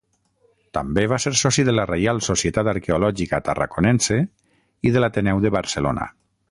També va ser soci de la Reial Societat Arqueològica Tarraconense i de l'Ateneu de Barcelona.